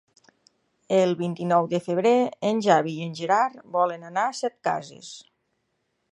El vint-i-nou de febrer en Xavi i en Gerard volen anar a Setcases.